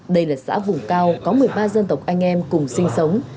đây là xã vùng cao có một mươi ba dân tộc anh em cùng sinh sống